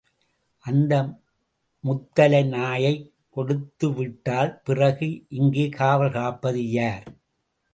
அந்த முத்தலை நாயைக் கொடுத்துவிட்டால், பிறகு இங்கே காவல் காப்பது யார்?